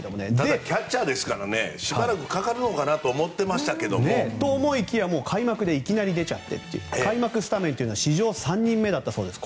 キャッチャーですからしばらくかかるのかなと思いましたが。と思いきや開幕でいきなり出ちゃって開幕スタメンというのは史上３人目だったそうです